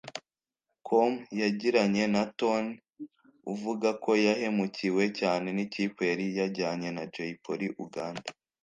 com yagiranye na Tonny uvuga ko yahemukiwe cyane n’ikipe yari yajyanye na Jay Polly Uganda